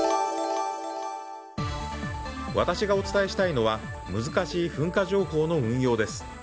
私がお伝えしたいのは難しい噴火情報の運用です。